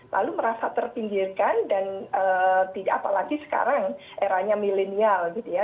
lalu merasa terpinggirkan dan apalagi sekarang eranya milenial gitu ya